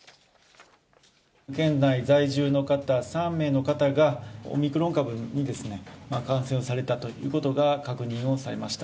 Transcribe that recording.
県内在住の方、３名の方がオミクロン株に感染をされたということが確認をされました。